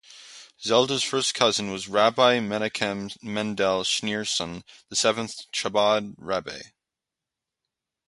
Zelda's first cousin was Rabbi Menachem Mendel Schneerson, the seventh Chabad Rebbe.